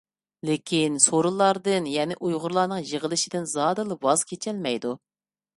لېكىن، سورۇنلاردىن، يەنى ئۇيغۇرلارنىڭ يىغىلىشىدىن زادىلا ۋاز كېچەلمەيدۇ.